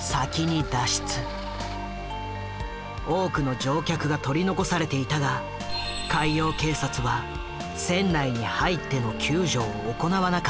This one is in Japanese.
多くの乗客が取り残されていたが海洋警察は船内に入っての救助を行わなかった。